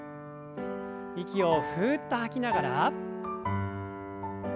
息をふっと吐きながら。